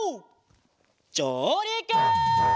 じょうりく！